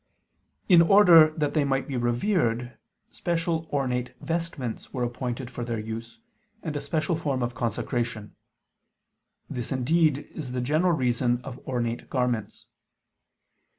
In order that they might be revered, special ornate vestments were appointed for their use, and a special form of consecration. This indeed is the general reason of ornate garments.